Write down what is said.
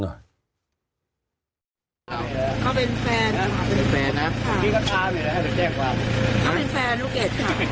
อ้าว